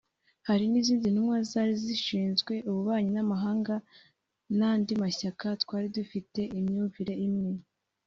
Hari n’izindi ntumwa zari zishinzwe ububanyi n’amahanga n’andi mashyaka twari dufite imyumvire imwe